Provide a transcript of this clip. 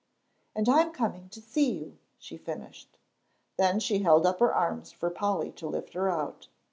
"And I'm coming to see you," she finished. Then she held up her arms for Polly to lift her out.